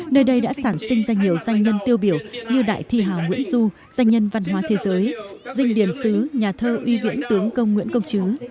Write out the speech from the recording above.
nơi đây đã sản sinh ra nhiều danh nhân tiêu biểu như đại thi hào nguyễn du danh nhân văn hóa thế giới dinh điển sứ nhà thơ uy viễn tướng công nguyễn công chứ